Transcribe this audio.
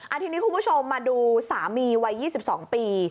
ทีนี้คุณผู้ชมมาดูสามีวัย๒๒ปี